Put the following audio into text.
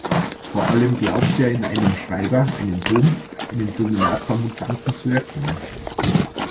Vor allem glaubt er in einem Schreiber einen „Dom“, einen Dominator-Mutanten, zu erkennen.